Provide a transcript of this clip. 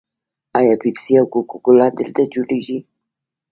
آیا پیپسي او کوکا کولا دلته جوړیږي؟